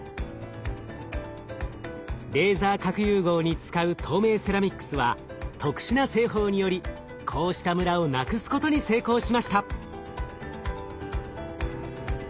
レーザー核融合に使う透明セラミックスは特殊な製法によりこうしたムラをなくすことに成功しました。